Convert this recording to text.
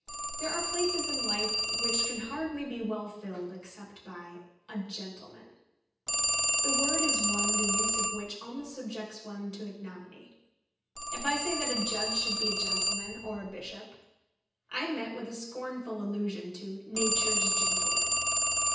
There are places in life which can hardly be well filled except by "Gentlemen." The word is one the use of which almost subjects one to ignominy. If I say that a judge should be a gentleman, or a bishop, I am met with a scornful allusion to "Nature's Gentlemen."